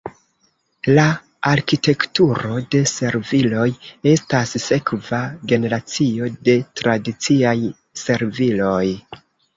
La arkitekturo de serviloj estas sekva generacio de tradiciaj serviloj.